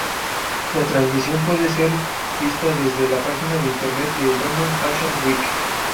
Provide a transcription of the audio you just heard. La transmisión puede ser vista desde la página de internet del London Fashion Week.